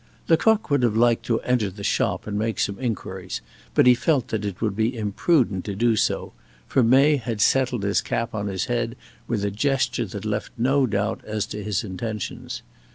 Lecoq would have liked to enter the shop and make some inquiries, but he felt that it would be imprudent to do so, for May had settled his cap on his head with a gesture that left no doubt as to his intentions.